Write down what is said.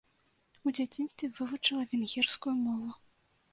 У дзяцінстве вывучыла венгерскую мову.